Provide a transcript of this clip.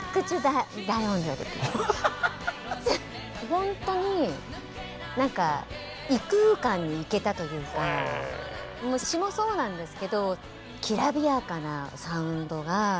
ほんとに何か異空間に行けたというか詞もそうなんですけどきらびやかなサウンドがすごく印象的。